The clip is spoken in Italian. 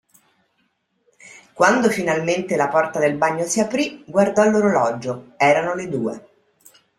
Quando finalmente la porta del bagno si aprí, guardò l'orologio: erano le due.